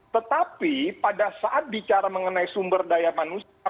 tetapi pada saat bicara mengenai sumber daya manusia